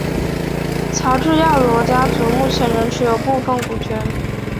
乔治亚罗家族目前仍持有部份股权。